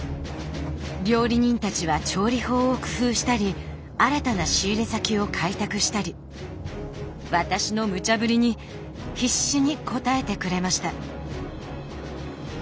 料理人たちは調理法を工夫したり新たな仕入れ先を開拓したり私のむちゃ振りに必死に応えてくれました。